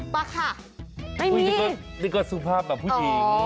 มาค่ะนี่ก็สุภาพแบบผู้หญิง